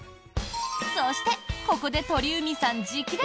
そして、ここで鳥海さん直伝！